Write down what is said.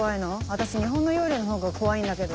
私日本の幽霊のほうが怖いんだけど。